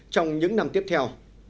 trong những năm tiếp theo